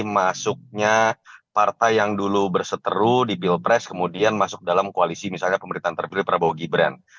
masuknya partai yang dulu berseteru di pilpres kemudian masuk dalam koalisi misalnya pemerintahan terpilih prabowo gibran